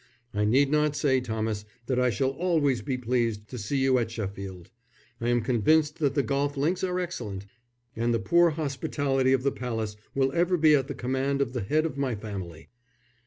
I need not say, Thomas, that I shall always be pleased to see you at Sheffield. I am convinced that the golf links are excellent, and the poor hospitality of the Palace will ever be at the command of the head of my family."